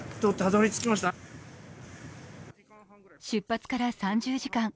出発から３０時間